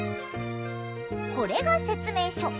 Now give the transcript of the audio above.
これが説明書。